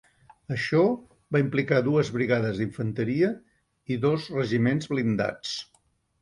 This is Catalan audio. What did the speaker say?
Això va implicar dues brigades d'infanteria i dos regiments blindats.